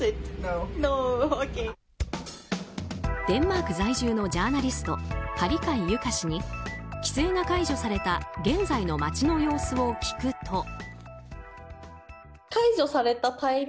デンマーク在住のジャーナリスト、針貝有佳氏に規制が解除された現在の街の様子を聞くと。